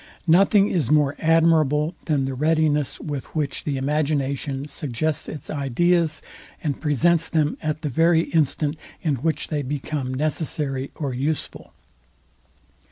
Nothing is more admirable, than the readiness, with which the imagination suggests its ideas, and presents them at the very instant, in which they become necessary or useful.